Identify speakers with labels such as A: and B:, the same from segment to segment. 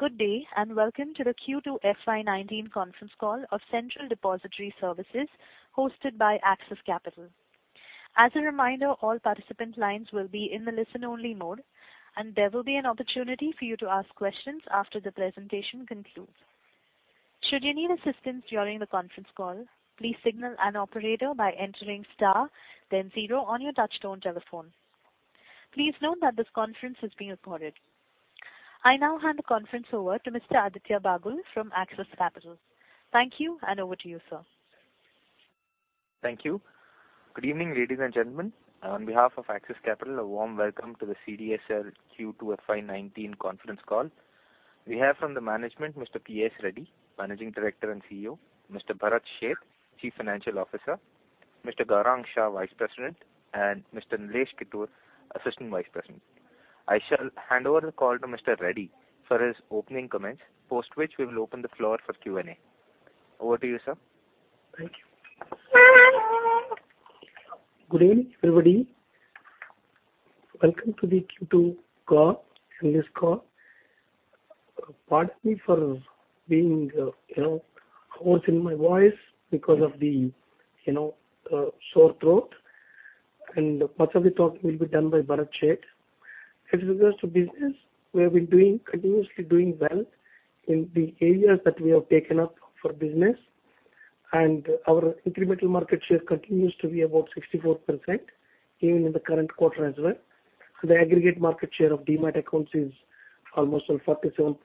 A: Good day, and welcome to the Q2 FY 2019 conference call of Central Depository Services hosted by Axis Capital. As a reminder, all participant lines will be in the listen-only mode, and there will be an opportunity for you to ask questions after the presentation concludes. Should you need assistance during the conference call, please signal an operator by entering star then zero on your touch-tone telephone. Please note that this conference is being recorded. I now hand the conference over to Mr. Aditya Bagul from Axis Capital. Thank you, and over to you, sir.
B: Thank you. Good evening, ladies and gentlemen. On behalf of Axis Capital, a warm welcome to the CDSL Q2 FY 2019 conference call. We have from the management, Mr. P.S. Reddy, Managing Director and CEO, Mr. Bharat Sheth, Chief Financial Officer, Mr. Gaurang Shah, Vice President, and Mr. Nilesh Kittur, Assistant Vice President. I shall hand over the call to Mr. Reddy for his opening comments, post which we will open the floor for Q&A. Over to you, sir.
C: Thank you. Good evening, everybody. Welcome to the Q2 call, earnings call. Pardon me for hoarseness in my voice because of the sore throat. Much of the talk will be done by Bharat Sheth. As regards to business, we have been continuously doing well in the areas that we have taken up for business. Our incremental market share continues to be about 64%, even in the current quarter as well. The aggregate market share of Demat accounts is almost 47.57%.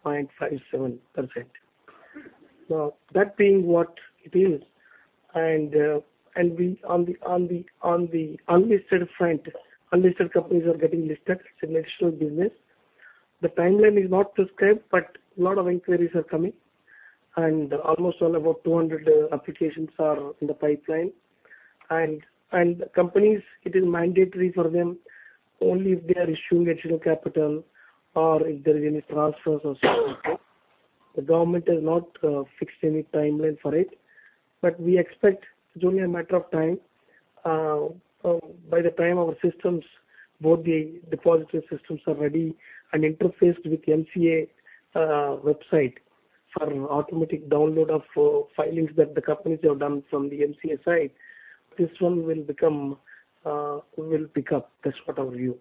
C: That being what it is, on the unlisted front, unlisted companies are getting listed. It's an additional business. The timeline is not prescribed, but a lot of inquiries are coming, and almost about 200 applications are in the pipeline. Companies, it is mandatory for them only if they are issuing additional capital or if there is any transfers or so. The government has not fixed any timeline for it, we expect it's only a matter of time. By the time our systems, both the depository systems are ready and interfaced with MCA website for automatic download of filings that the companies have done from the MCA site, this one will pick up. That's what our view.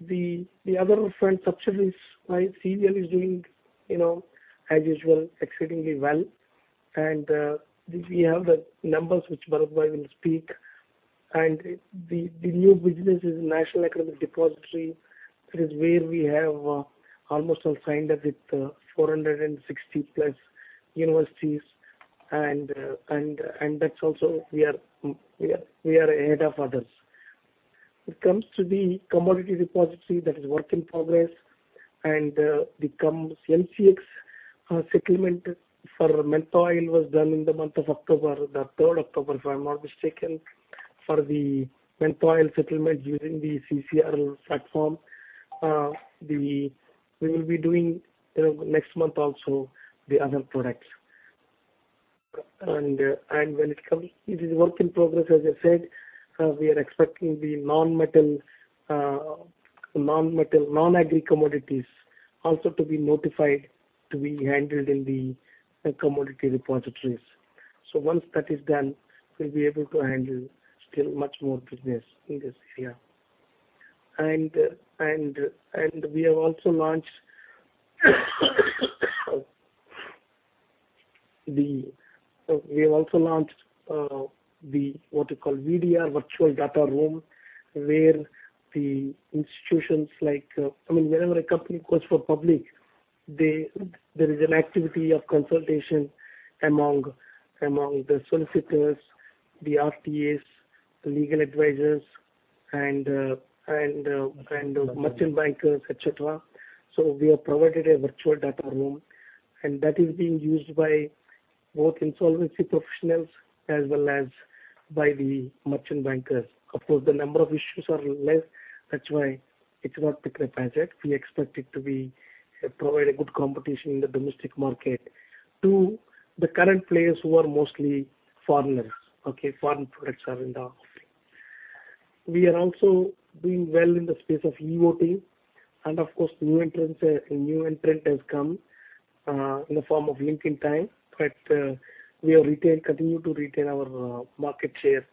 C: The other front subsidiary wise, CVL is doing as usual, exceedingly well. We have the numbers which Bharat will speak. The new business is National Academic Depository. It is where we have almost all signed up with 460 plus universities, that's also we are ahead of others. It comes to the commodity repository that is work in progress, the MCX settlement for mentha oil was done in the month of October, the 3rd October, if I'm not mistaken, for the mentha oil settlement using the CCRL platform. We will be doing next month also the other products. It is work in progress, as I said. We are expecting the non-metal, non-agri commodities also to be notified to be handled in the commodity repositories. Once that is done, we'll be able to handle still much more business in this area. We have also launched, what you call VDR, Virtual Data Room. I mean, whenever a company goes for public, there is an activity of consultation among the solicitors, the RTAs, the legal advisors, and the merchant bankers, et cetera. We have provided a Virtual Data Room, and that is being used by both insolvency professionals as well as by the merchant bankers. Of course, the number of issues are less. That's why it's not picked up as yet. We expect it to provide a good competition in the domestic market to the current players who are mostly foreigners. Foreign products are in the offering. We are also doing well in the space of e-voting, and of course, a new entrant has come in the form of Link Intime. We continue to retain our market share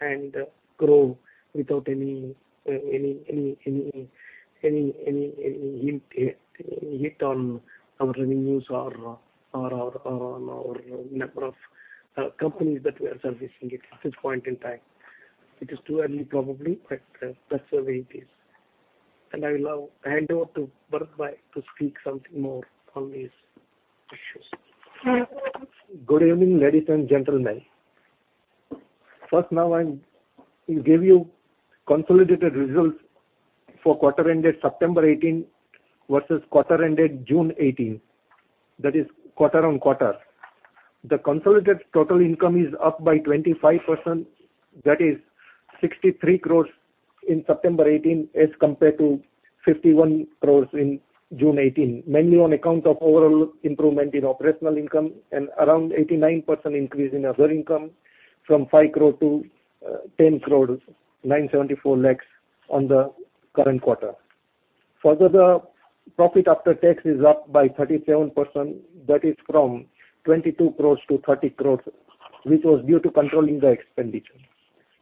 C: and grow without any hit on our revenues or on our number of companies that we are servicing at this point in time. It is too early, probably, but that's the way it is. I will hand over to Bharat to speak something more on these issues.
D: Good evening, ladies and gentlemen. First, I will give you consolidated results for quarter ended September 2018 versus quarter ended June 2018. That is quarter-on-quarter. The consolidated total income is up by 25%, that is 63 crore in September 2018 as compared to 51 crore in June 2018, mainly on account of overall improvement in operational income and around 89% increase in other income from 5 crore to 10 crore on the current quarter. The profit after tax is up by 37%, that is from 22 crore to 30 crore, which was due to controlling the expenditure.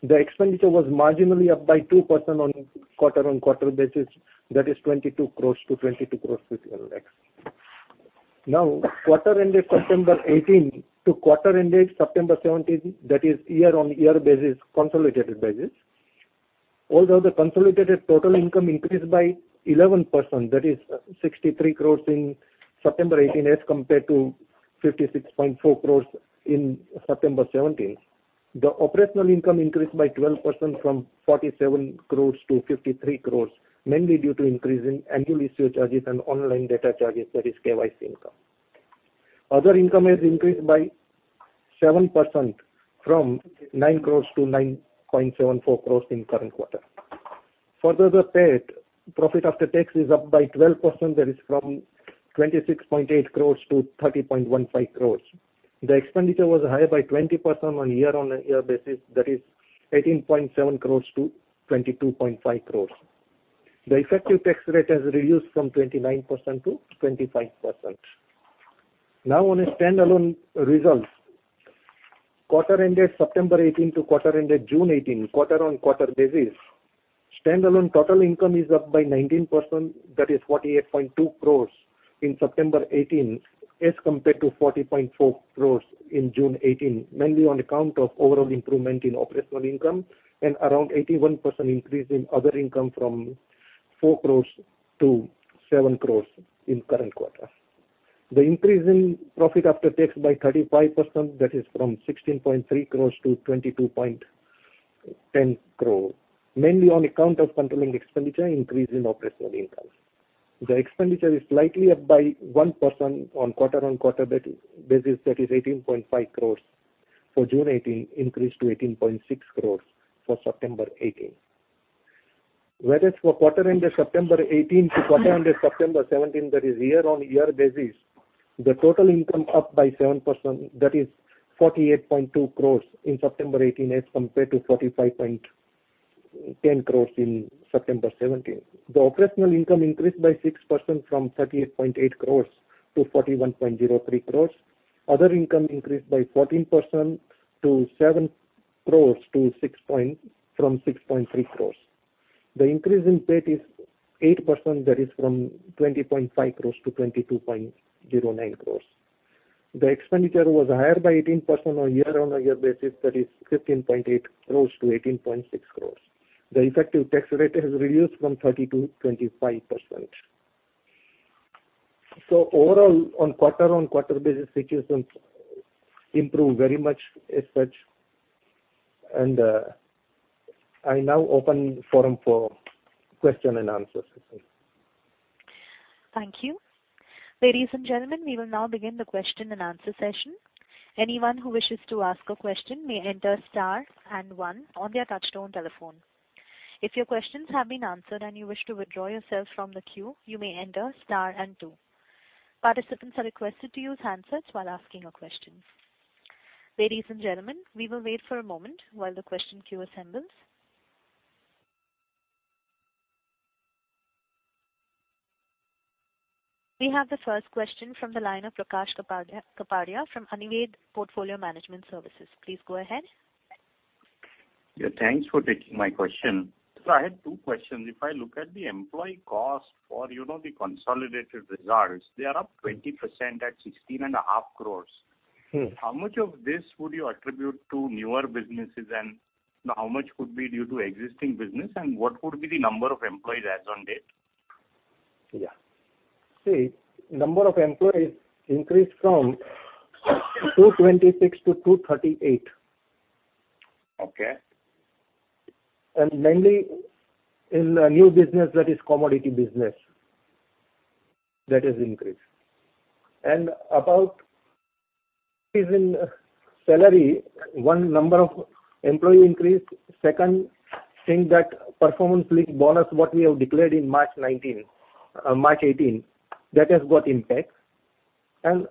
D: The expenditure was marginally up by 2% on quarter-on-quarter basis, that is 22 crore to 22 crore with LX. Quarter ended September 2018 to quarter ended September 2017, that is year-on-year basis, consolidated basis. The consolidated total income increased by 11%, that is 63 crore in September 2018 as compared to 56.4 crore in September 2017. The operational income increased by 12% from 47 crore to 53 crore, mainly due to increase in annual issue charges and online data charges, that is KYC income. Other income has increased by 7%, from 9 crore to 9.74 crore in current quarter. The PAT, profit after tax, is up by 12%, that is from 26.8 crore to 30.15 crore. The expenditure was higher by 20% on a year-on-year basis, that is 18.7 crore to 22.5 crore. The effective tax rate has reduced from 29% to 25%. On standalone results. Quarter ended September 2018 to quarter ended June 2018, quarter-on-quarter basis. Standalone total income is up by 19%, that is 48.2 crore in September 2018 as compared to 40.4 crore in June 2018, mainly on account of overall improvement in operational income and around 81% increase in other income from 4 crore to 7 crore in current quarter. The increase in PAT by 35%, that is from 16.3 crore to 22.1 crore, mainly on account of controlling expenditure increase in operational income. The expenditure is slightly up by 1% on quarter-on-quarter basis, that is 18.5 crore for June 2018, increased to 18.6 crore for September 2018. Whereas for quarter ended September 2018 to quarter ended September 2017, that is year-on-year basis, the total income up by 7%, that is 48.2 crore in September 2018 as compared to 45.10 crore in September 2017. The operational income increased by 6% from 38.8 crore to 41.03 crore. Other income increased by 14% to 7 crore from 6.3 crore. The increase in PAT is 8%, that is from 20.5 crore to 22.09 crore. The expenditure was higher by 18% on a year-on-year basis, that is 15.8 crore to 18.6 crore. The effective tax rate has reduced from 30% to 25%. Overall, on quarter-on-quarter basis, situations improved very much as such. I now open forum for question and answer session.
A: Thank you. Ladies and gentlemen, we will now begin the question and answer session. Anyone who wishes to ask a question may enter star 1 on their touch-tone telephone. If your questions have been answered and you wish to withdraw yourself from the queue, you may enter star 2. Participants are requested to use handsets while asking a question. Ladies and gentlemen, we will wait for a moment while the question queue assembles. We have the first question from the line of Prakash Kapadia from Anived Portfolio Management Services. Please go ahead.
E: Yeah, thanks for taking my question. I had two questions. If I look at the employee cost for the consolidated results, they are up 20% at 16.5 crore. How much of this would you attribute to newer businesses and how much would be due to existing business, what would be the number of employees as on date?
D: Yeah. See, number of employees increased from 226 to 238.
E: Okay.
D: Mainly in new business, that is commodity business, that has increased. About increase in salary, one, number of employee increase. Second, think that performance linked bonus, what we have declared in March 2018, that has got impact.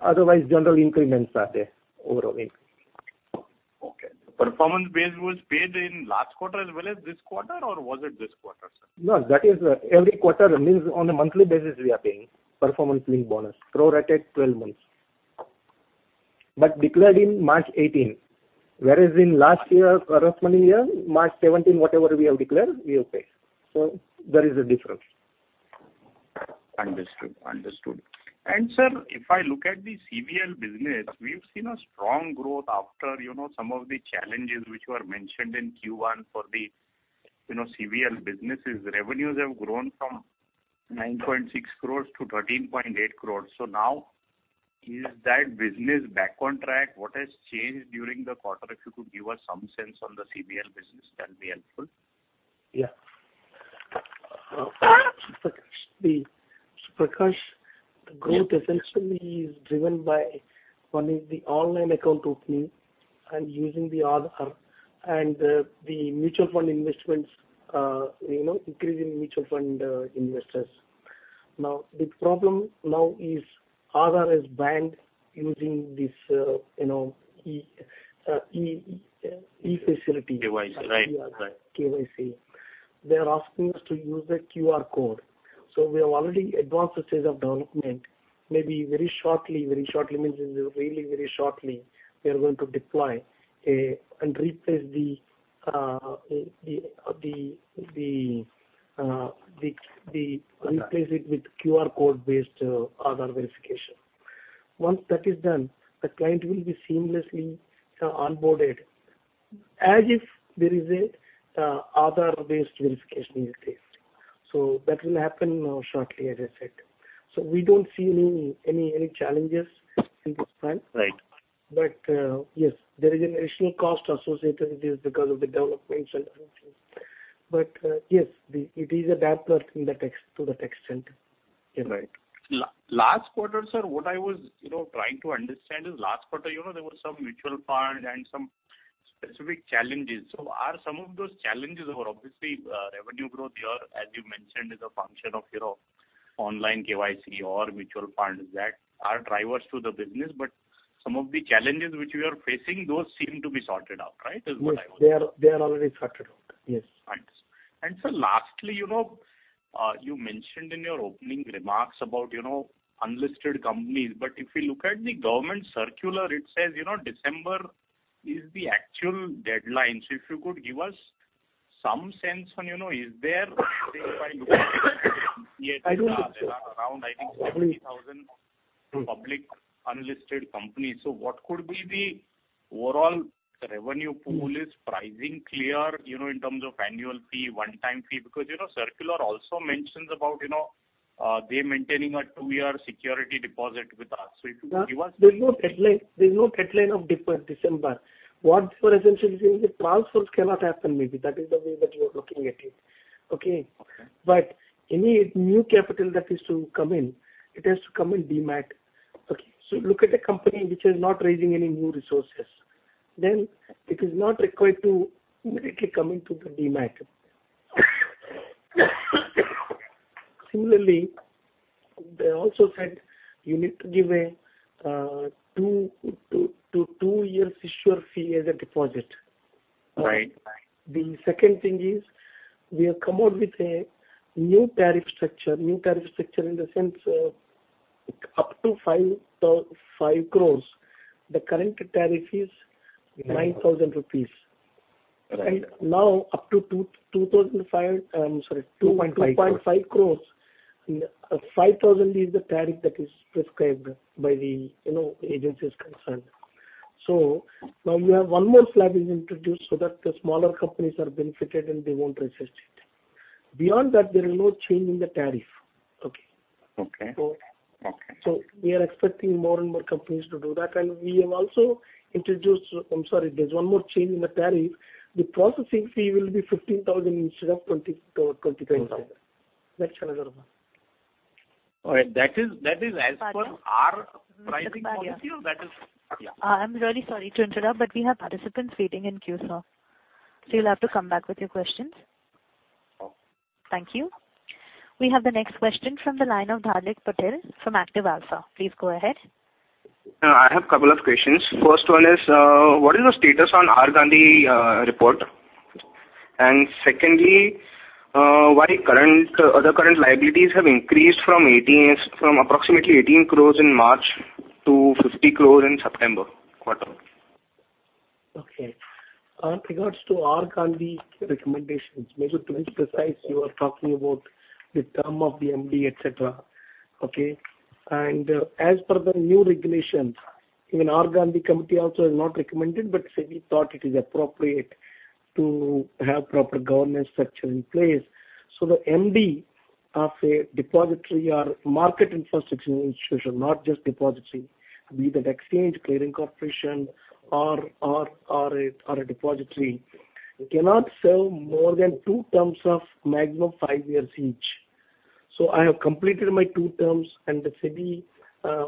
D: Otherwise, general increments are there. Overall increments.
E: Okay. Performance base was paid in last quarter as well as this quarter, or was it this quarter, sir?
D: No. That is every quarter. Means on a monthly basis we are paying performance linked bonus, prorated 12 months. Declared in March 2018. Whereas in last year, corresponding year, March 2017, whatever we have declared, we have paid. There is a difference.
E: Understood. Sir, if I look at the CVL business, we've seen a strong growth after some of the challenges which were mentioned in Q1 for the CVL businesses. Revenues have grown from 9.6 crores to 13.8 crores. Now is that business back on track? What has changed during the quarter? If you could give us some sense on the CVL business, that'll be helpful.
D: Yeah. Prakash, the growth essentially is driven by one is the online account opening and using the Aadhaar and the mutual fund investments, increase in mutual fund investors.
C: Now, the problem now is RRBs using this e-facility.
E: Device. Right.
C: KYC. They're asking us to use the QR code. We have already advanced the stage of development. Maybe very shortly, means really very shortly, we are going to deploy and replace it with QR code-based Aadhaar verification. Once that is done, the client will be seamlessly onboarded as if there is a Aadhaar-based verification in place. That will happen now shortly, as I said. We don't see any challenges in this front.
E: Right.
C: Yes, there is an additional cost associated with this because of the developments and other things. Yes, it is adapted to that extent. Yeah.
E: Right. Last quarter, sir, what I was trying to understand is last quarter, there were some mutual funds and some specific challenges. Are some of those challenges were obviously, revenue growth here, as you mentioned, is a function of online KYC or mutual funds that are drivers to the business, but some of the challenges which we are facing, those seem to be sorted out, right?
C: Yes. They are already sorted out. Yes.
E: Right. Sir, lastly, you mentioned in your opening remarks about unlisted companies. If you look at the government circular, it says December is the actual deadline. If you could give us some sense on, there are around, I think, 70,000 public unlisted companies. What could be the overall revenue pool? Is pricing clear in terms of annual fee, one-time fee? Because circular also mentions about they maintaining a two-year security deposit with us. If you could give us.
C: There's no deadline of December. What the essential is saying is transfers cannot happen, maybe. That is the way that you are looking at it. Okay.
E: Okay.
C: Any new capital that is to come in, it has to come in Demat. Okay. Look at a company which is not raising any new resources, then it is not required to immediately come into the Demat. Similarly, they also said you need to give a two years issuer fee as a deposit.
E: Right.
C: The second thing is we have come out with a new tariff structure. New tariff structure in the sense, up to 5 crores, the current tariff is 9,000 rupees.
E: Right.
C: Now up to 2,005, I'm sorry.
E: 2.5 crores.
C: 2.5 crores. 5,000 is the tariff that is prescribed by the agencies concerned. Now we have one more slab is introduced so that the smaller companies are benefited, and they won't resist it. Beyond that, there is no change in the tariff. Okay.
E: Okay.
C: We are expecting more and more companies to do that. We have also introduced. I'm sorry, there's one more change in the tariff. The processing fee will be 15,000 instead of 20,000. That's another one.
E: All right. That is as per our pricing policy or that is?
A: Pardon. I'm really sorry to interrupt, but we have participants waiting in queue, sir. You'll have to come back with your questions.
E: Okay.
A: Thank you. We have the next question from the line of Dharik Patel from Active Alpha. Please go ahead.
F: I have a couple of questions. First one is, what is the status on R Gandhi report? Secondly, why other current liabilities have increased from approximately 18 crores in March to 50 crores in September quarter?
C: Okay. On regards to R Gandhi recommendations, maybe to be precise, you are talking about the term of the MD, et cetera. Okay. As per the new regulations, even R Gandhi committee also has not recommended, SEBI thought it is appropriate to have proper governance structure in place. The MD of a depository or market infrastructure institution, not just depository, be that exchange, clearing corporation or a depository, cannot serve more than two terms of maximum five years each. I have completed my two terms, the SEBI,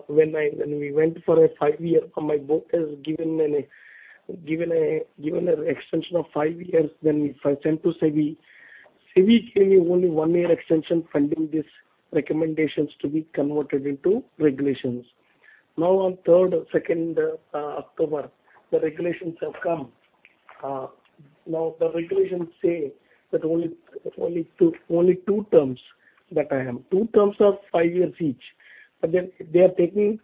C: when we went for a five-year, my board has given an extension of five years. We sent to SEBI. SEBI gave me only one-year extension pending these recommendations to be converted into regulations. On third, second October, the regulations have come. The regulations say that only two terms that I am. Two terms of five years each. They are taking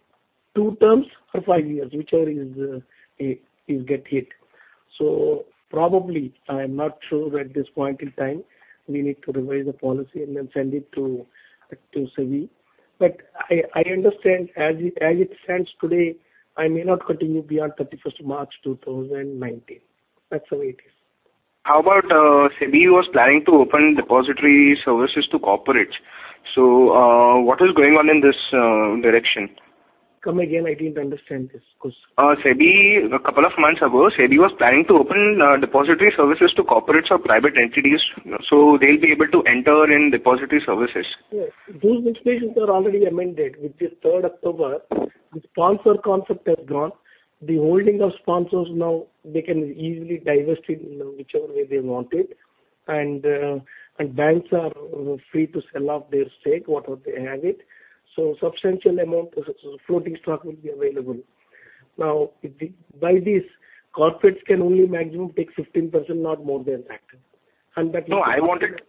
C: two terms or five years, whichever is get hit. Probably, I am not sure at this point in time, we need to revise the policy and send it to SEBI. I understand as it stands today, I may not continue beyond 31st March 2019. That's the way it is.
F: How about SEBI was planning to open depository services to corporates. What is going on in this direction?
C: Come again? I didn't understand this.
F: SEBI, a couple of months ago, SEBI was planning to open depository services to corporates or private entities. They'll be able to enter in depository services.
C: Yes. Those institutions are already amended with the third October. The sponsor concept has gone. The holding of sponsors now they can easily divest it in whichever way they want it. Banks are free to sell off their stake, whatever they have it. Substantial amount, floating stock will be available. Now, by this, corporates can only maximum take 15%, not more than that.
F: I wanted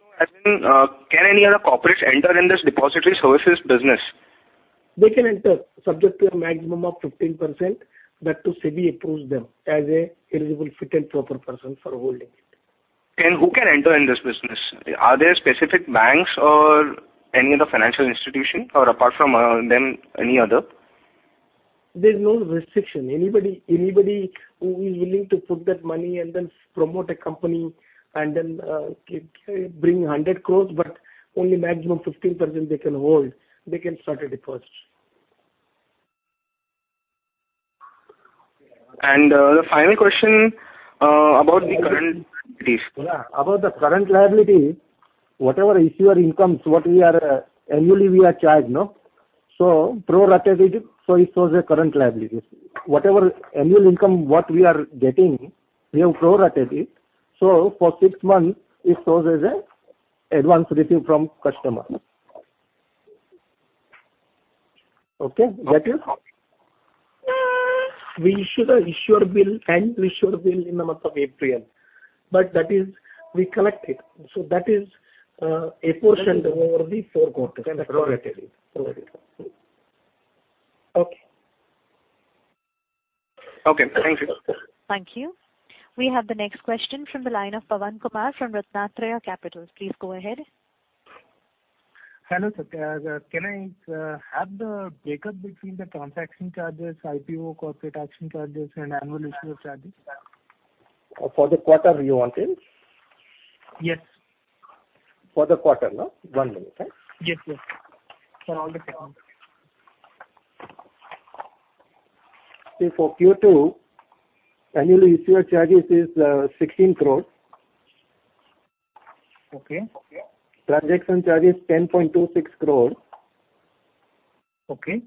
F: to know, can any other corporates enter in this depository services business?
C: They can enter subject to a maximum of 15%. SEBI approves them as an eligible, fit, and proper person for holding it.
F: Who can enter in this business? Are there specific banks or any other financial institution? Apart from them, any other?
C: There's no restriction. Anybody who is willing to put that money and then promote a company, and then bring 100 crore, but only maximum 15% they can hold. They can start a depository.
F: The final question about the current liabilities.
D: About the current liability, whatever issuer incomes, what we are annually we are charged. Prorated it, so it shows a current liability. Whatever annual income what we are getting, we have prorated it. For six months, it shows as an advance receipt from customers. Okay, got it?
F: Okay.
D: We issue a bill and we issue a bill in the month of April. That is, we collect it. That is a portion over the four quarters and prorated. Okay.
F: Okay. Thank you.
A: Thank you. We have the next question from the line of Pawan Kumar from Ratnatraya Capital. Please go ahead.
G: Hello, sir. Can I have the breakup between the transaction charges, IPO, corporate action charges, and annual issuer charges?
D: For the quarter you want it?
G: Yes.
D: For the quarter, no? One minute.
G: Yes. For all the four.
D: For Q2, annual issuer charges is 16 crores.
G: Okay.
D: Transaction charge is 10.26 crores.
G: Okay.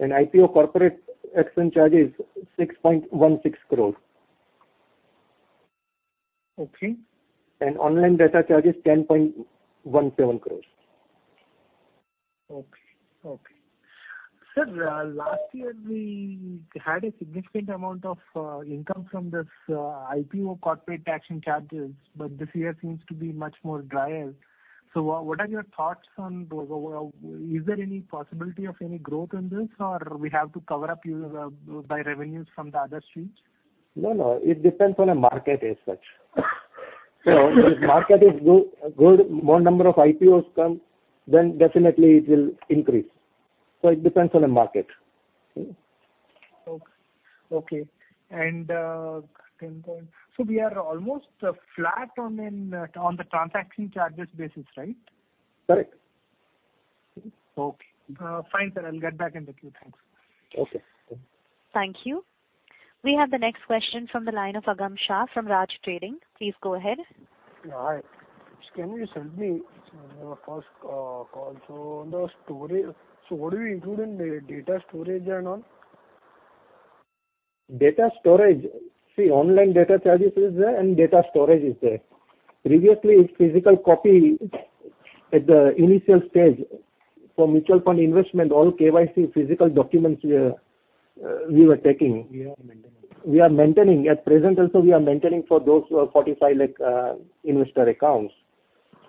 D: IPO corporate action charge is 6.16 crores.
G: Okay.
D: Online data charge is 10.17 crores.
G: Okay. Sir, last year we had a significant amount of income from this IPO corporate action charges, but this year seems to be much more drier. What are your thoughts on, is there any possibility of any growth in this, or we have to cover up by revenues from the other streams?
D: No. It depends on the market as such. If the market is good, more number of IPOs come, then definitely it will increase. It depends on the market.
G: Okay. We are almost flat on the transaction charges basis, right?
D: Correct.
G: Okay. Fine, sir. I'll get back in the queue. Thanks.
D: Okay.
A: Thank you. We have the next question from the line of Agam Shah from Raj Trading. Please go ahead.
H: Hi. Can you tell me, first call, so on the storage, so what do you include in the data storage and all?
C: Data storage. See, online data charges is there, and data storage is there. Previously, physical copy at the initial stage for mutual fund investment, all KYC physical documents we were taking.
H: We are maintaining.
C: We are maintaining. At present also, we are maintaining for those who are 45 lakh investor accounts.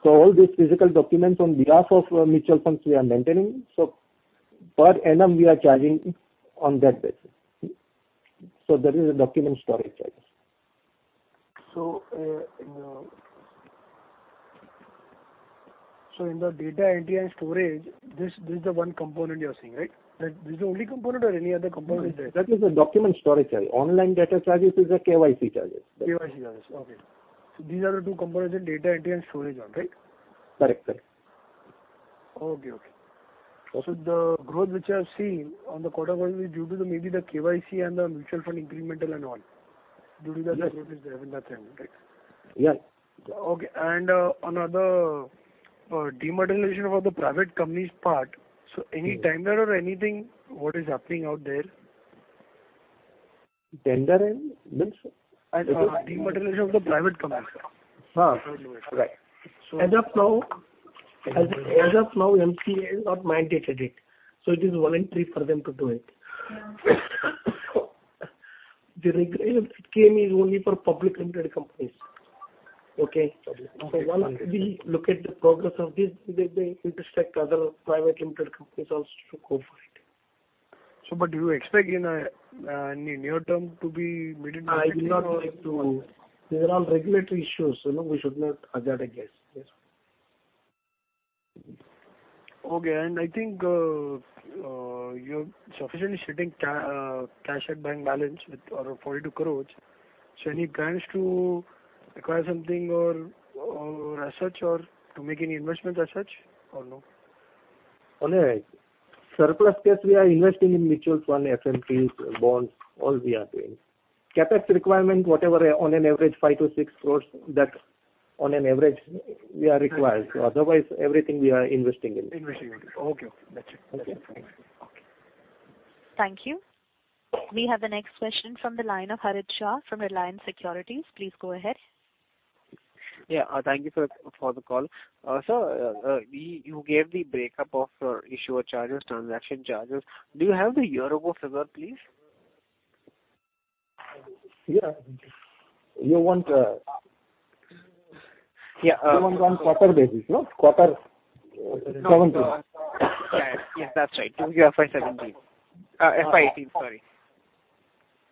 C: All these physical documents on behalf of mutual funds we are maintaining. Per annum we are charging on that basis. That is a document storage charges.
H: In the data entry and storage, this is the one component you are saying, right? This is the only component or any other component is there?
C: That is a document storage charge. Online data charges is a KYC charges.
H: KYC charges. These are the two components in data entry and storage all right?
C: Correct.
H: Okay. The growth which I've seen on the quarter was due to maybe the KYC and the mutual fund incremental and all. Due to that, the growth is there on that end, right?
C: Yeah.
H: Okay. On the dematerialization for the private companies part, any timeline or anything, what is happening out there?
C: Dematerialization means?
H: Dematerialization of the private company.
C: Right. As of now, MCA has not mandated it. It is voluntary for them to do it. The regulation that came is only for public limited companies. Okay?
H: Okay.
C: We look at the progress of this. They expect other private limited companies also to go for it.
H: You expect in near term to be.
C: These are all regulatory issues. We should not hazard a guess.
H: Okay. I think you're sufficiently sitting cash at bank balance with around 42 crores. Any plans to acquire something or as such, or to make any investments as such, or no?
D: On an average. Surplus cash we are investing in mutual fund, FMPs, bonds, all we are doing. CapEx requirement, whatever on an average 5-6 crores, that on an average we are required. Otherwise, everything we are investing in.
H: Investing. Okay. Got you.
A: Thank you. We have the next question from the line of Harit Shah from Reliance Securities. Please go ahead.
I: Yeah. Thank you, sir, for the call. Sir, you gave the breakup of issuer charges, transaction charges. Do you have the year over figure, please?
C: Yeah.
I: Yeah
C: you want on quarter basis, no? Quarter 2017.
I: Yes, that's right. FY 2017. FY 2018, sorry.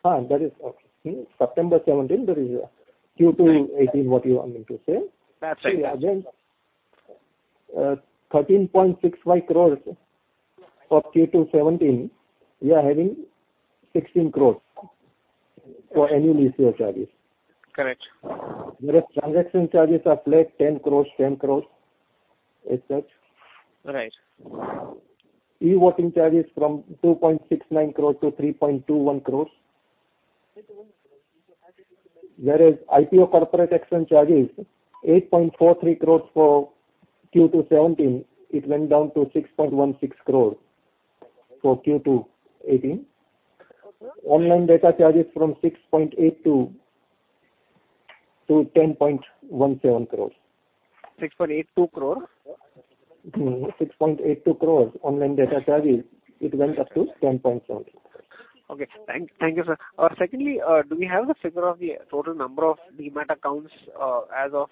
C: That is okay. September 2017, that is Q2 2018, what you are meaning to say?
I: That's right.
C: Again, 13.65 crores for Q2 2017, we are having 16 crores for annual issuer charges.
I: Correct.
C: Transaction charges are flat 10 crores, 10 crores, et cetera.
I: Right.
C: E-voting charges from 2.69 crore to 3.21 crore. IPO corporate action charges, 8.43 crore for Q2 2017, it went down to 6.16 crore for Q2 2018. Online data charges from 6.82 crore to 10.17 crore.
I: 6.82 crore?
C: 6.82 crore online data charges, it went up to 10.17 crore.
I: Okay. Thank you, sir. Do we have the figure of the total number of Demat accounts as of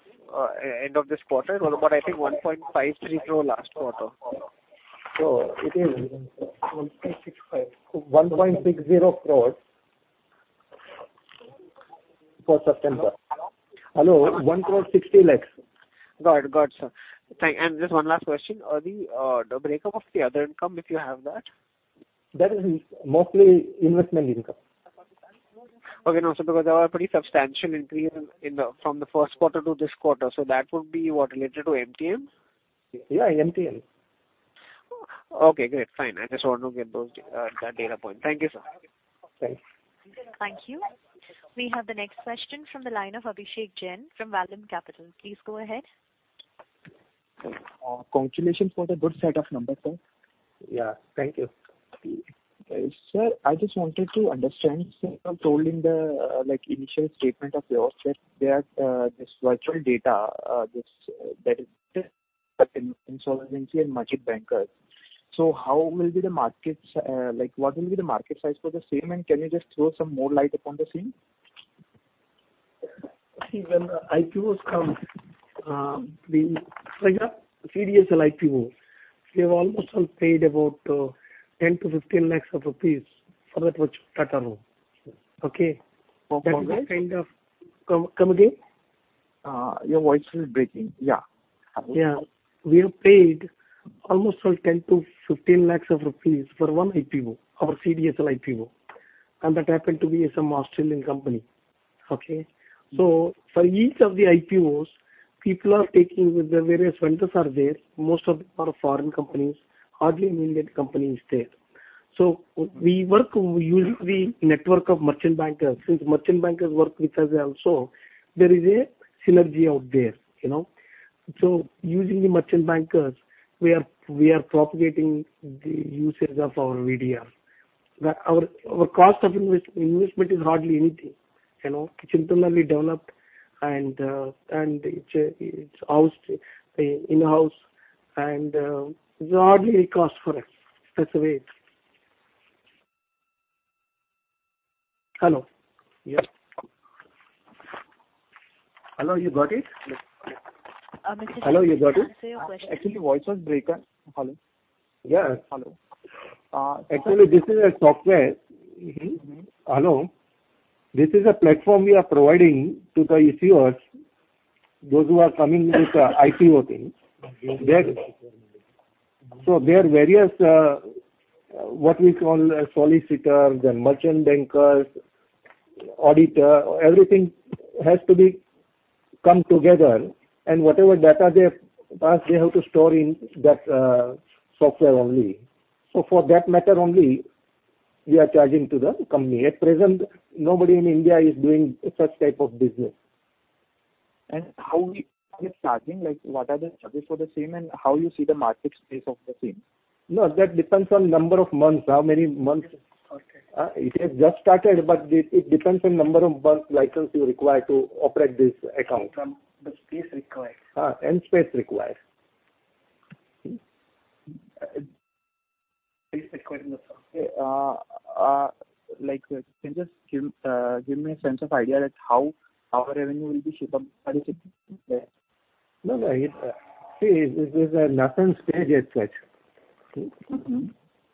I: end of this quarter? I think 1.53 crore last quarter.
C: It is 1.60 crores for September. Hello? 1.60 crores.
I: Got you, sir. Just one last question. The breakup of the other income, if you have that.
C: That is mostly investment income.
I: Okay. No, sir, because there was pretty substantial increase from the first quarter to this quarter. That would be what, related to MTM?
C: Yeah, MTM.
I: Okay, great. Fine. I just want to get that data point. Thank you, sir.
C: Thanks.
A: Thank you. We have the next question from the line of Abhishek Jain from Valin Capital. Please go ahead.
J: Congratulations for the good set of numbers, sir.
C: Yeah, thank you.
J: Sir, I just wanted to understand, sir, you told in the initial statement of yours that this virtual data, that is insolvency and merchant bankers. What will be the market size for the same, and can you just throw some more light upon the same?
C: See, when the IPOs come, we figure CDSL IPO, we have almost all paid about 10 lakhs-15 lakhs rupees for that Virtual Data Room. Okay?
J: For one client?
C: Come again.
J: Your voice is breaking. Yeah.
C: Yeah. We have paid almost all 10 to 15 lakhs for one IPO, our CDSL IPO, and that happened to be some Australian company. Okay? For each of the IPOs, the various vendors are there. Most of them are foreign companies. Hardly an Indian company is there. We work usually network of merchant bankers. Since merchant bankers work with us also, there is a synergy out there. Using the merchant bankers, we are propagating the usage of our VDR. Our cost of investment is hardly anything. Kitchen table we developed, and it's in-house, and there's hardly any cost for us. That's the way it's. Hello?
J: Yeah.
C: Hello, you got it?
A: Mr. Jain, can I say your question?
J: Actually, voice was breaker. Hello?
C: Yeah.
J: Hello.
C: Actually, this is a software. Hello. This is a platform we are providing to the issuers, those who are coming with IPO thing. There are various, what we call solicitors and merchant bankers, auditor, everything has to come together, and whatever data they have passed, they have to store in that software only. For that matter only, we are charging to the company. At present, nobody in India is doing such type of business.
J: How are you charging? What are the charges for the same, and how you see the market space of the same?
C: No, that depends on number of months, how many months.
J: Okay.
C: It has just started, but it depends on number of months license you require to operate this account.
J: The space required.
C: Space required.
J: Space required. Okay. Can you just give me a sense of idea that how our revenue will be shaped up there?
C: No. See, it is in a nascent stage as such.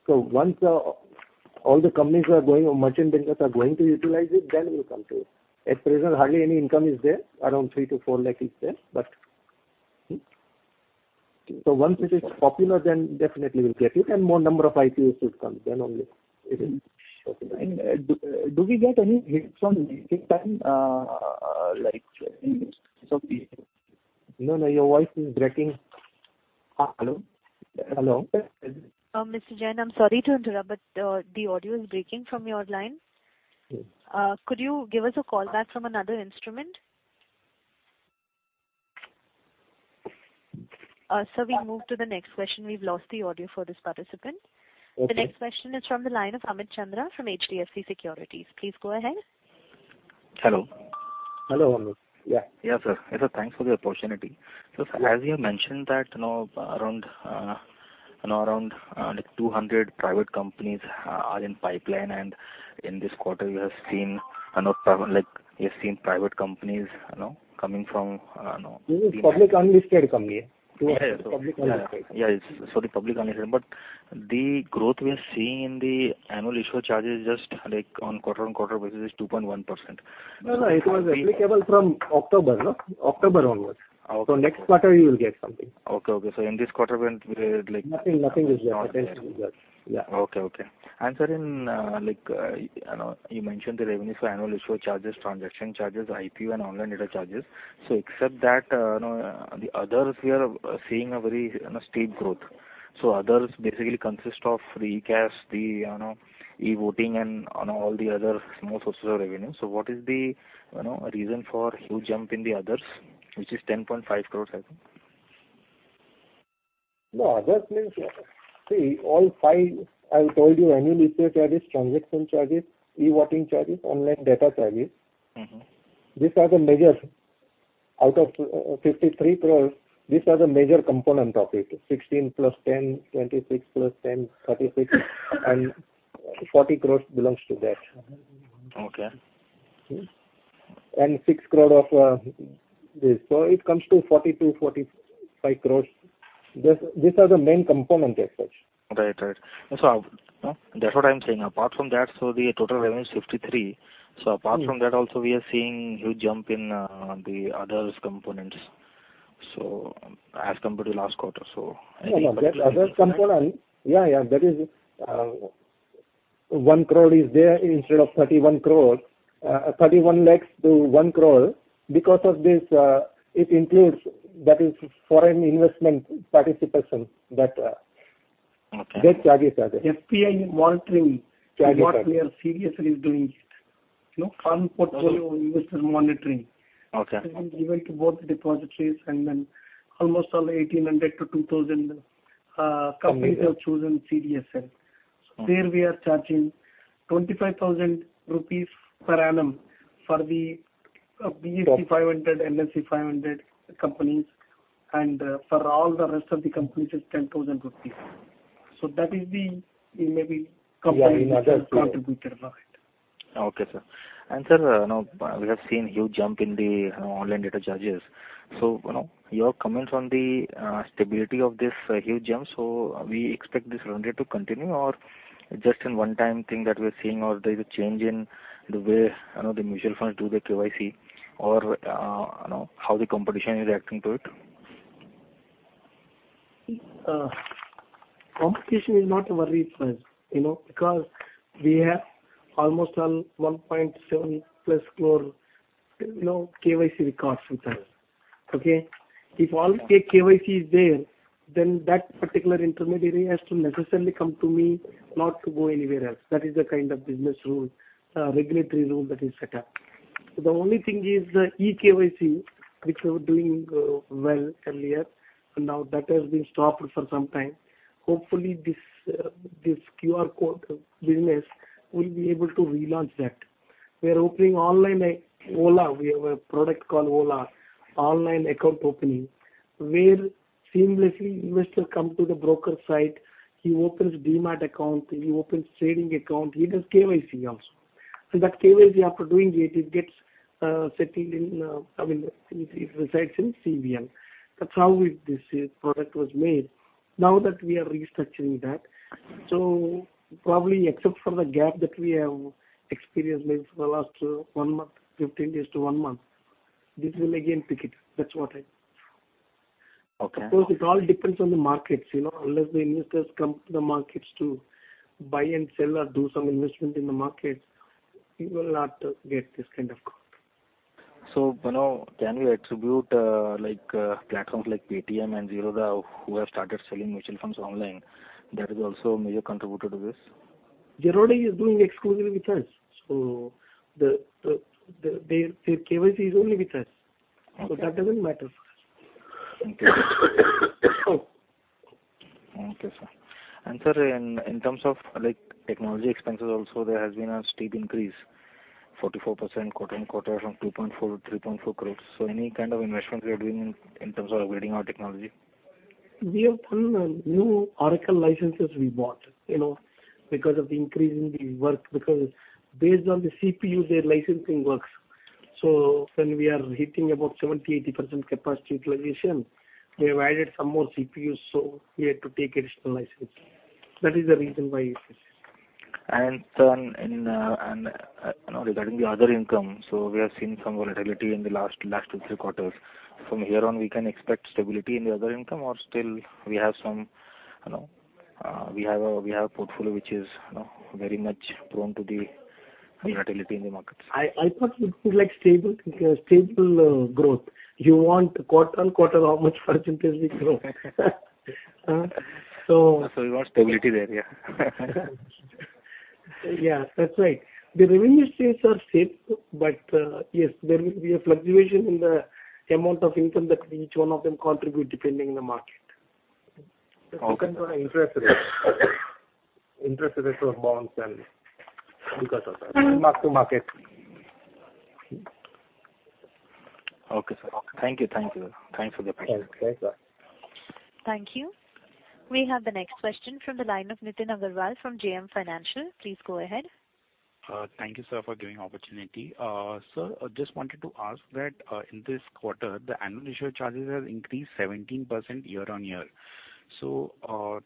C: Once all the companies are going or merchant bankers are going to utilize it, then we will come to it. At present, hardly any income is there, around 3 lakh-4 lakh is there. Once it is popular, then definitely we'll get it, more number of IPOs will come, then only it will.
J: Okay. Do we get any hits on Link Intime?
C: No, your voice is breaking.
J: Hello?
C: Hello?
A: Mr. Jain, I'm sorry to interrupt, but the audio is breaking from your line.
J: Yes.
A: Could you give us a call back from another instrument? Sir, we move to the next question. We've lost the audio for this participant.
C: Okay.
A: The next question is from the line of Amit Chandra from HDFC Securities. Please go ahead.
K: Hello.
C: Hello. Yeah.
K: Yeah, sir. Sir, thanks for the opportunity. As you have mentioned that around 200 private companies are in pipeline, and in this quarter you have seen private companies coming from
C: Public unlisted company.
K: Yeah.
C: Public unlisted.
K: Yeah. Sorry, public unlisted, the growth we are seeing in the annual issue charges, just on quarter-on-quarter basis is 2.1%.
C: No, it was applicable from October onwards.
K: October.
C: Next quarter you will get something.
K: Okay. In this quarter, when we had.
C: Nothing is there.
K: Okay. Sir, you mentioned the revenues for annual issue charges, transaction charges, IPO and online data charges. Except that, the others we are seeing a very steep growth. Others basically consist of the e-CAS, the e-voting and all the other small sources of revenue. What is the reason for huge jump in the others, which is 10.5 crores, I think?
C: No, others means See, all five, I have told you, annual issue charges, transaction charges, e-voting charges, online data charges. These are the major. Out of 53 crore, these are the major component of it. 16 plus 10, 26 plus 10, 36 and 40 crore belongs to that.
K: Okay.
C: Six crore of this. It comes to 42, 45 crore. These are the main component as such.
K: Right. That's what I'm saying. Apart from that, the total revenue is 53 crore. Apart from that also we are seeing huge jump in the others components as compared to last quarter.
C: Others component, that is 1 crore is there instead of 31 lakh to 1 crore. Because of this, it includes foreign investment participation, that charges are there. FPI monitoring what we are seriously doing. Fund portfolio investor monitoring.
K: Okay.
C: Even to both the depositories and almost all 1,800 to 2,000 companies have chosen CDSL. There we are charging 25,000 rupees per annum for the BSE 500, NIFTY 500 companies, and for all the rest of the companies it is 10,000 rupees. That is the, maybe contributor of it.
K: Okay, sir. Sir, we have seen huge jump in the online data charges. Your comments on the stability of this huge jump. We expect this trend rate to continue or just a one-time thing that we're seeing or there is a change in the way the mutual funds do the KYC or how the competition is reacting to it?
C: Competition is not a worry to us, because we have almost 1.7 plus crore KYC records with us. Okay? If all KYC is there, that particular intermediary has to necessarily come to me, not to go anywhere else. That is the kind of business rule, regulatory rule that is set up. The only thing is the e-KYC, which we were doing well earlier, and now that has been stopped for some time. Hopefully, this QR code business, we will be able to relaunch that. We are opening online e-OAO. We have a product called e-OAO, Online Account Opening, where seamlessly investor comes to the broker site, he opens Demat account, he opens trading account, he does KYC also. That KYC, after doing it resides in CVL. That's how this product was made. Now that we are restructuring that, probably except for the gap that we have experienced maybe for the last one month, 15 days to one month, this will again pick it. That's what I.
K: Okay.
C: Of course, it all depends on the markets. Unless the investors come to the markets to buy and sell or do some investment in the markets, you will not get this kind of growth.
K: Can we attribute platforms like Paytm and Zerodha who have started selling mutual funds online, that is also a major contributor to this?
C: Zerodha is doing exclusively with us. Their KYC is only with us.
K: Okay.
C: That doesn't matter for us.
K: Okay. Okay, sir. Sir, in terms of technology expenses also there has been a steep increase, 44% quarter-on-quarter from 2.4 crore-3.4 crore. Any kind of investments you are doing in terms of upgrading our technology?
C: We have done, new Oracle licenses we bought. Because of the increase in the work, because based on the CPU, their licensing works. When we are hitting about 70, 80% capacity utilization, we have added some more CPUs, so we had to take additional license. That is the reason why it is.
K: Sir, regarding the other income, so we have seen some volatility in the last two, three quarters. From here on, we can expect stability in the other income or still we have a portfolio which is very much prone to the volatility in the markets?
C: I thought you would like stable growth. You want quarter-on-quarter how much percentage we grow?
K: We want stability there, yeah.
C: Yeah, that's right. The revenue streams are same, yes, there will be a fluctuation in the amount of income that each one of them contribute depending on the market.
L: Okay.
D: It depends on interest rates. Interest rates will bounce and because of that mark to market.
K: Okay, sir. Thank you. Thanks for the clarification.
C: Thanks, sir.
A: Thank you. We have the next question from the line of Nitin Agrawal from JM Financial. Please go ahead.
L: Thank you, sir, for giving opportunity. Sir, just wanted to ask that in this quarter, the annual issuer charges have increased 17% year-on-year.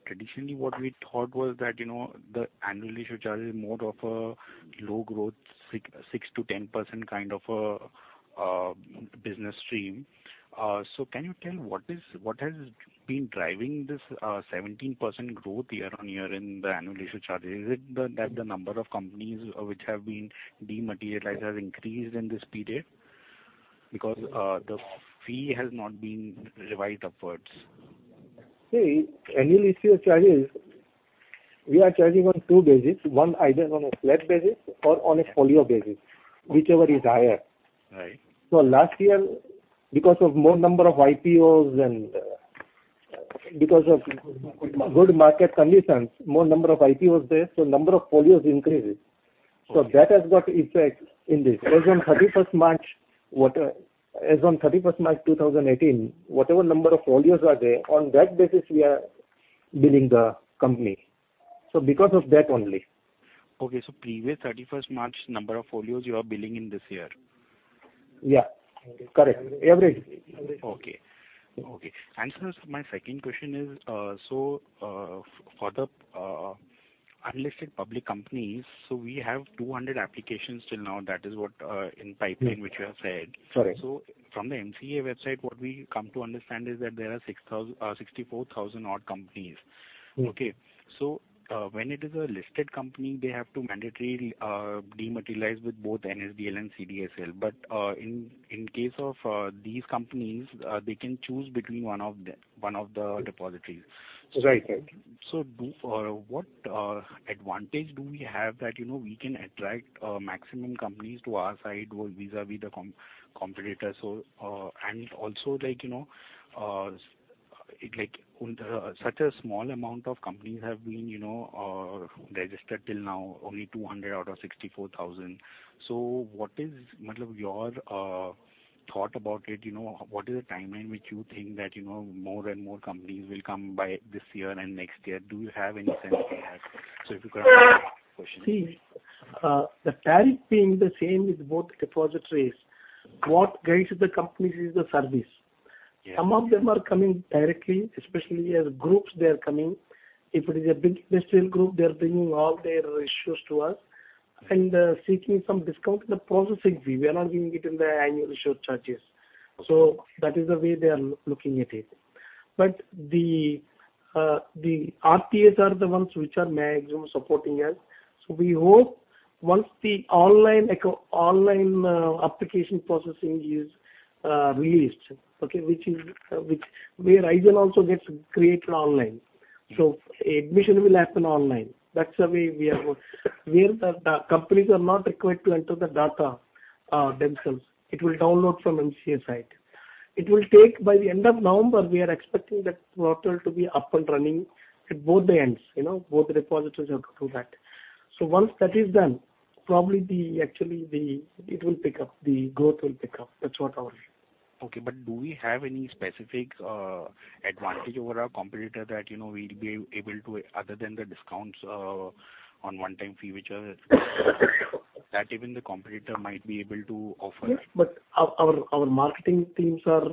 L: Traditionally, what we thought was that the annual issuer charge is more of a low growth, 6%-10% kind of a business stream. Can you tell what has been driving this 17% growth year-on-year in the annual issuer charges? Is it that the number of companies which have been dematerialized has increased in this period? Because the fee has not been revised upwards.
C: Annual issuer charges, we are charging on two basis. One either on a flat basis or on a folio basis, whichever is higher.
L: Right.
C: Last year, because of good market conditions, more number of IPOs there, number of folios increases. That has got effect in this. As on 31st March 2018, whatever number of folios are there, on that basis we are billing the company. Because of that only.
L: Okay. Previous 31st March number of folios you are billing in this year?
C: Yeah. Correct. Every.
L: Okay. Sir, my second question is, for the unlisted public companies, we have 200 applications till now, that is what in pipeline which you have said.
C: Correct.
L: From the MCA website, what we come to understand is that there are 64,000 odd companies. Okay. When it is a listed company, they have to mandatorily dematerialize with both NSDL and CDSL. In case of these companies, they can choose between one of the depositories.
C: Right.
L: What advantage do we have that we can attract maximum companies to our side vis-a-vis the competitor? Also such a small amount of companies have been registered till now, only 200 out of 64,000. What is your thought about it? What is the timeline which you think that more and more companies will come by this year and next year? Do you have any sense there? If you can answer those two questions.
C: See, the tariff being the same with both depositories, what guides the companies is the service.
L: Yeah.
C: Some of them are coming directly, especially as groups they are coming. If it is a big industrial group, they are bringing all their issues to us and seeking some discount in the processing fee. We are not giving it in the annual issuer charges. That is the way they are looking at it. The RTAs are the ones which are maximum supporting us. We hope once the online application processing is released, where ISIN also gets created online. Admission will happen online. That's the way we are going. Where the companies are not required to enter the data themselves. It will download from MCA site. By the end of November, we are expecting that portal to be up and running at both the ends. Both repositories have to do that. Once that is done, probably actually the growth will pick up. That's what our view.
L: Okay. Do we have any specific advantage over our competitor that we will be able to, other than the discounts on one-time fee which that even the competitor might be able to offer?
C: Yes, our marketing teams are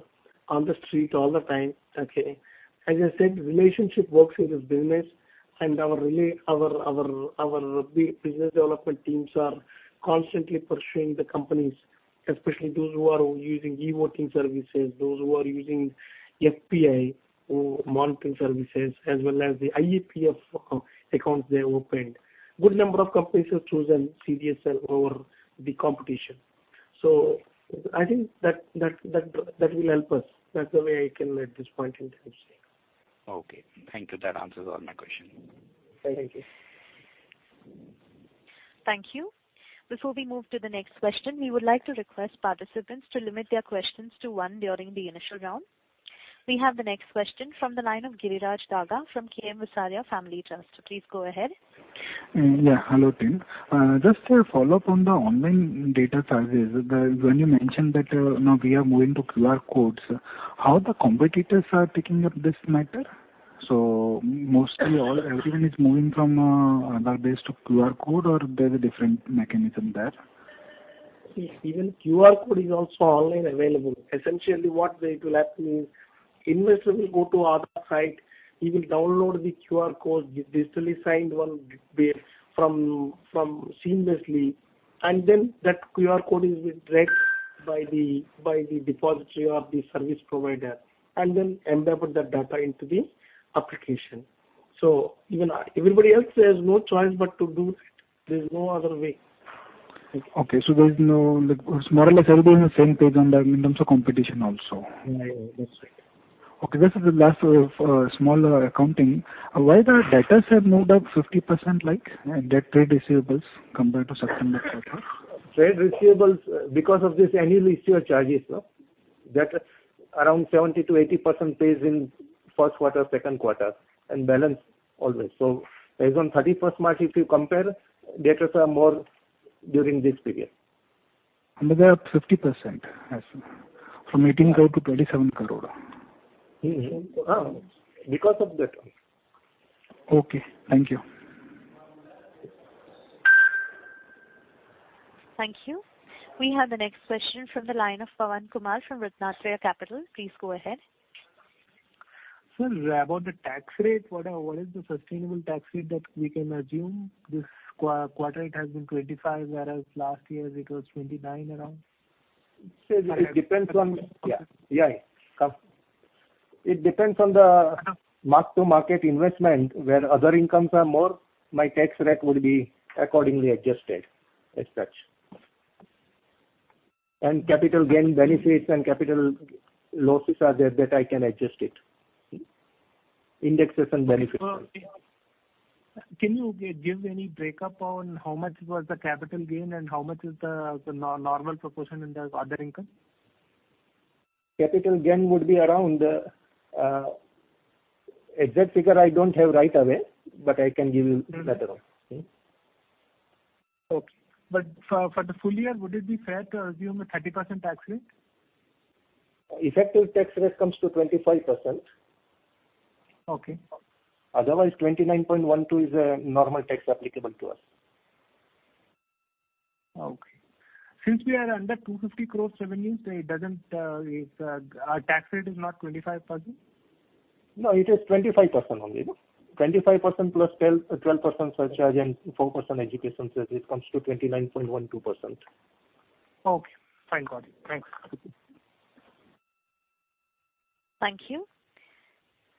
C: on the street all the time.
L: Okay.
C: As I said, relationship works in this business and our business development teams are constantly pursuing the companies, especially those who are using e-voting services, those who are using FPI or monitoring services as well as the IEPF accounts they opened. Good number of companies have chosen CDSL over the competition. I think that will help us. That's the way I can at this point in time say.
L: Okay. Thank you. That answers all my questions.
C: Thank you.
A: Thank you. Before we move to the next question, we would like to request participants to limit their questions to one during the initial round. We have the next question from the line of Giriraj Daga from K.M. Visaria Family Trust. Please go ahead.
M: Yeah. Hello, team. Just a follow-up on the online data charges. When you mentioned that now we are moving to QR codes, how the competitors are taking up this matter? Mostly everyone is moving from bar-based to QR code or there's a different mechanism there?
C: Even QR code is also online available. Essentially what way it will happen is, investor will go to our site, he will download the QR code, digitally signed one from seamlessly, and then that QR code is read by the depository or the service provider, and then embed that data into the application. Everybody else has no choice but to do that. There's no other way.
M: Okay. More or less everybody is on the same page in terms of competition also.
C: That's right.
M: Okay, this is the last small accounting. Why the debtors have moved up 50%, like trade receivables compared to September quarter?
D: Trade receivables, because of these annual issuer charges, sir. Debtors, around 70%-80% pays in first quarter, second quarter, and balance always. Based on 31 March, if you compare, debtors are more during this period.
M: They are 50% as from 18 crore-27 crore.
D: Yes. Because of that.
M: Okay. Thank you.
A: Thank you. We have the next question from the line of Pawan Kumar from Ratnatraya Capital. Please go ahead.
G: Sir, about the tax rate, what is the sustainable tax rate that we can assume? This quarter, it has been 25%, whereas last year it was 29% around.
D: Sir, it depends on the mark-to-market investment, where other incomes are more, my tax rate would be accordingly adjusted as such. Capital gain benefits and capital losses are there that I can adjust it. Indexes and benefits.
G: Can you give any breakup on how much was the capital gain and how much is the normal proportion in the other income?
D: Capital gain, exact figure I don't have right away, but I can give you later on.
G: Okay. For the full year, would it be fair to assume a 30% tax rate?
D: Effective tax rate comes to 25%.
G: Okay.
D: Otherwise, 29.12% is a normal tax applicable to us.
G: Okay. Since we are under 250 crores revenue, our tax rate is not 25%?
D: No, it is 25% only. 25% plus 12% surcharge and 4% education surcharge, it comes to 29.12%.
G: Okay. Thank God. Thanks.
A: Thank you.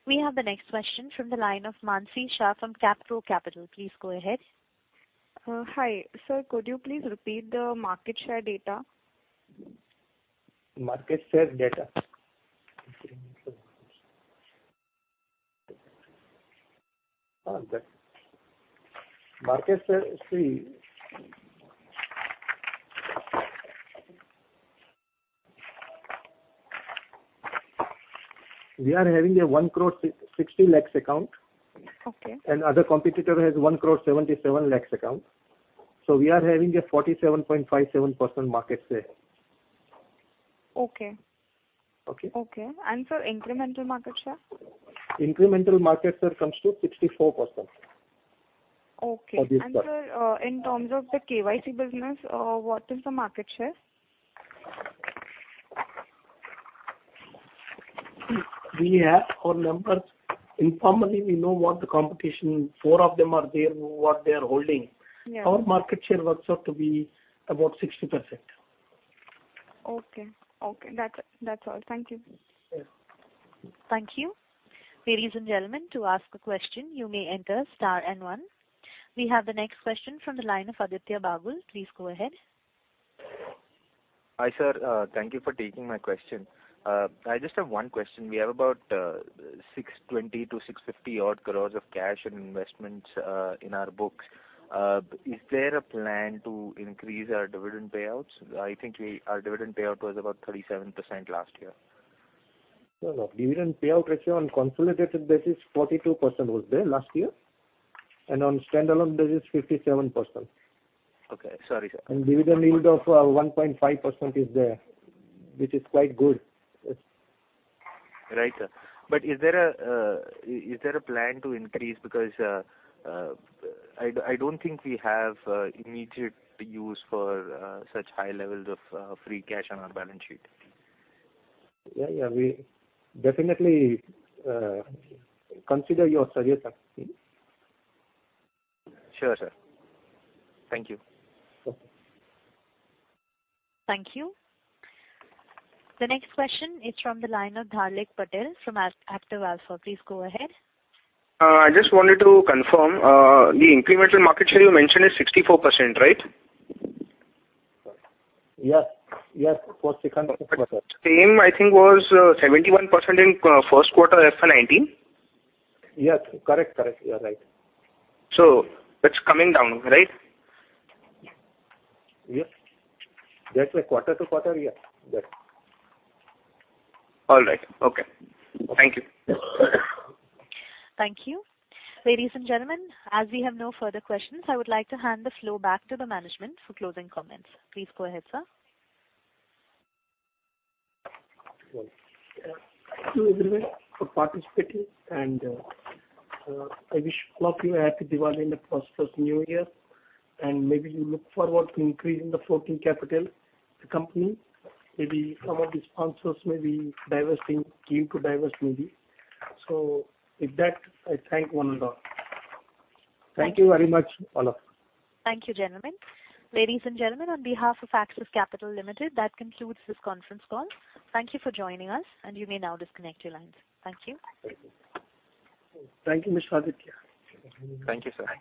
A: We have the next question from the line of Mansi Shah from Kapro Capital. Please go ahead.
N: Hi. Sir, could you please repeat the market share data?
C: Market share data. Market share. See, we are having a 1 crore 60 lakhs account.
N: Okay.
C: Other competitor has 1 crore 77 lakhs account. We are having a 47.57% market share.
N: Okay.
C: Okay?
N: Okay. Sir, incremental market share?
C: Incremental market share comes to 64%.
N: Okay.
C: For this quarter.
N: Sir, in terms of the KYC business, what is the market share?
C: We have our numbers. Informally, we know what the competition, four of them are there, what they are holding.
N: Yeah.
C: Our market share works out to be about 60%.
N: Okay. That's all. Thank you.
C: Sure.
A: Thank you. Ladies and gentlemen, to ask a question, you may enter star and one. We have the next question from the line of Aditya Bagul. Please go ahead.
B: Hi, sir. Thank you for taking my question. I just have one question. We have about 620-650 odd crore of cash and investments in our books. Is there a plan to increase our dividend payouts? I think our dividend payout was about 37% last year.
D: No. Dividend payout ratio on consolidated basis, 42% was there last year. On standalone basis, 57%.
B: Okay. Sorry, sir.
D: Dividend yield of 1.5% is there, which is quite good.
B: Right, sir. Is there a plan to increase? Because I don't think we have immediate use for such high levels of free cash on our balance sheet.
D: Yeah. We definitely consider your suggestion.
B: Sure, sir. Thank you.
D: Okay.
A: Thank you. The next question is from the line of Dharik Patel from Active Alpha. Please go ahead.
F: I just wanted to confirm, the incremental market share you mentioned is 64%, right?
C: Yes. For second quarter.
F: Same I think was 71% in first quarter FY 2019.
C: Yes. Correct. You are right.
F: That's coming down, right?
C: Yes. Quarter to quarter, yes.
F: All right. Okay. Thank you.
A: Thank you. Ladies and gentlemen, as we have no further questions, I would like to hand the floor back to the management for closing comments. Please go ahead, sir.
C: Thank you everyone for participating. I wish all of you a happy Diwali and a prosperous new year. Maybe you look forward to increasing the floating capital of the company. Maybe some of the sponsors may be divesting, keen to divest maybe. With that, I thank one and all.
M: Thank you very much, all.
A: Thank you, gentlemen. Ladies and gentlemen, on behalf of Axis Capital Limited, that concludes this conference call. Thank you for joining us. You may now disconnect your lines. Thank you.
C: Thank you, Ms. Swati.
B: Thank you, sir.